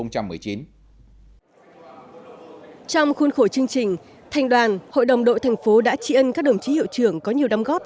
trong khuôn khổ chương trình thành đoàn hội đồng đội thành phố đã trị ân các đồng chí hiệu trưởng có nhiều đóng góp